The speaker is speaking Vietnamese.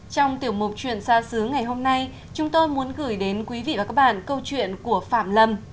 trong tiểu mục chuyện xa xứ ngày hôm nay chúng tôi muốn gửi đến quý vị và các bạn câu chuyện của phạm lâm